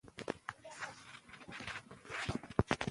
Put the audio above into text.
ملاله به تل یاده کېږي.